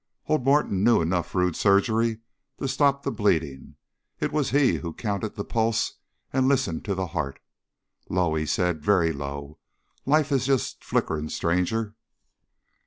Old Morton knew enough rude surgery to stop the bleeding. It was he who counted the pulse and listened to the heart. "Low," he said, "very low life is just flickerin', stranger."